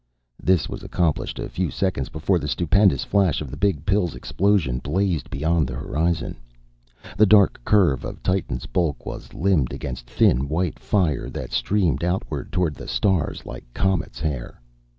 This was accomplished a few seconds before the stupendous flash of the Big Pill's explosion blazed beyond the horizon. The dark curve of Titan's bulk was limned against thin white fire that streamed outward toward the stars like comet's hair.